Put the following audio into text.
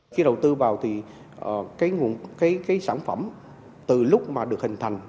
khi đầu tư vào thì cái sản phẩm từ lúc mà được hình thành